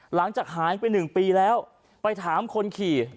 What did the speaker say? หลังจากหายไป๑ปีแล้วไปถามคนขี่